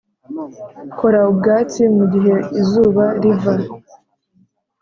kora ubwatsi mugihe izuba riva